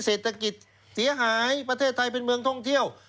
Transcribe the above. เศรษฐกิจเสียหายประเทศไทยเป็นเมืองท่องเที่ยว